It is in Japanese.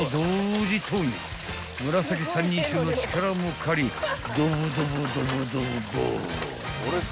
［紫三人衆の力も借りドボドボドボドボボー］